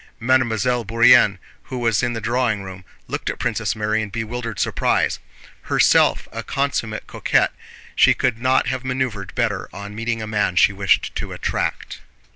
Mademoiselle Bourienne, who was in the drawing room, looked at Princess Mary in bewildered surprise. Herself a consummate coquette, she could not have maneuvered better on meeting a man she wished to attract.